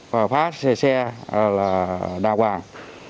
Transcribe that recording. và phá xe xe là đa hoàng